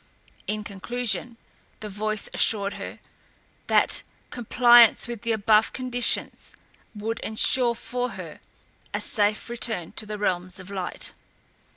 In conclusion, the voice assured her, that compliance with the above conditions would insure for her a safe return to the realms of light.